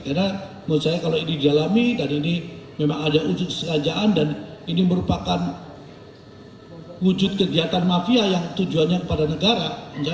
karena menurut saya kalau ini didalami dan ini memang ada usus kerajaan dan ini merupakan wujud kegiatan mafia yang tujuannya kepada negara